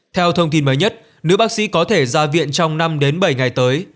theo thông tin mới nhất nữ bác sĩ có thể ra viện trong năm đến bảy ngày tới